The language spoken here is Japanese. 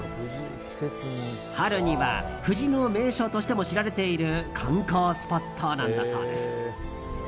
春には藤の名所としても知られている観光スポットなんだそうです。